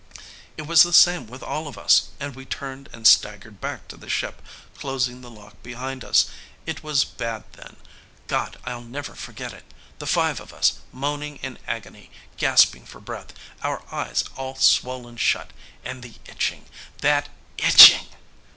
"It was the same with all of us, and we turned and staggered back to the ship, closing the lock behind us. It was bad then. God, I'll never forget it! The five of us, moaning in agony, gasping for breath, our eyes all swollen shut, and the itching ... that itching."